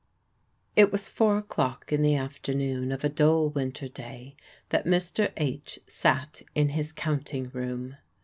It was four o'clock in the afternoon of a dull winter day that Mr. H. sat in his counting room.